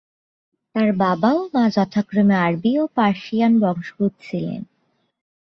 তার বাবা ও মা যথাক্রমে আরব ও পারসিয়ান বংশোদ্ভূত ছিলেন।